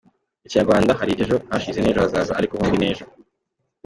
Mu Kinyarwanda, hari ejo hashize n’ejo hazaza, ariko hombi n’ejo.